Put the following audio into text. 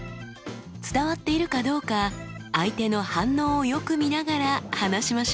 伝わっているかどうか相手の反応をよく見ながら話しましょう。